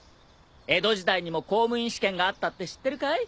江戸時代にも公務員試験があったって知ってるかい？